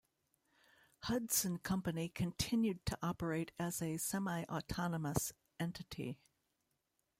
Hudson Company continued to operate as a semi-autonomous entity.